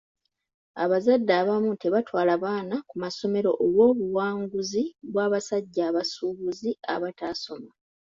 Abazadde abamu tebatwala baana ku ssomero olw'obuwanguzi bw'abasajja abasuubuzi abataasoma.